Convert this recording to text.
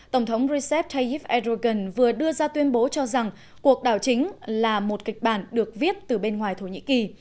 tổng thống recep tayyip erdogan vừa đưa ra tuyên bố cho rằng cuộc đảo chính là một kịch bản được viết từ bên ngoài thổ nhĩ kỳ